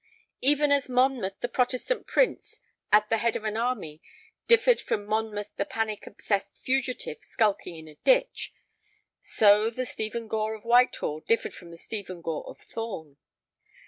Even as Monmouth the Protestant prince at the head of an army differed from Monmouth the panic obsessed fugitive skulking in a ditch, so the Stephen Gore of Whitehall differed from the Stephen Gore of Thorn.